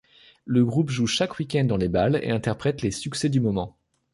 Le groupe joue chaque week-end dans les bals et interprète les succès du moment.